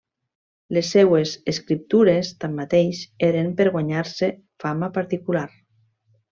Les seues escriptures, tanmateix, eren per guanyar-se fama particular.